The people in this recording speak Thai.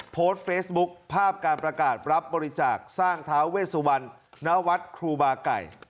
โพสต์เฟซบุ๊คภาพการประกาศรับบริจาคสร้างท้าเวสวรรณณวัดครูบาไก่